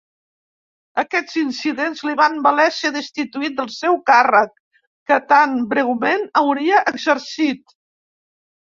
Aquests incidents li van valer ser destituït del seu càrrec, que tan breument havia exercit.